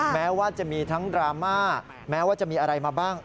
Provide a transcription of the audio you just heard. แม้ว่าจะมีทั้งดราม่าแม้ว่าจะมีอะไรมาบ้าง